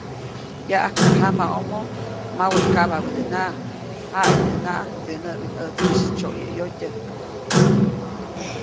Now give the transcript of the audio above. Yaʼajkpä jamaʼomo, mawe kaʼbadenaʼajk, jaʼidänaʼajk teʼ näʼbinʼätsiʼis tsyoyäyotyäjk.